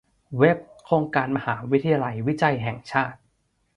เว็บ โครงการมหาวิทยาลัยวิจัยแห่งชาติ